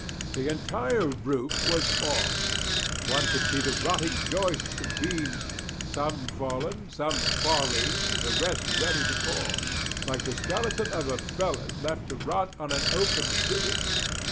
The entire roof was off; one could see the rotting joists and beams, some fallen, some falling, the rest ready to fall, like the skeleton of a felon left to rot on an open gibbet.